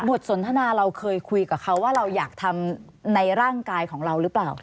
สนทนาเราเคยคุยกับเขาว่าเราอยากทำในร่างกายของเราหรือเปล่า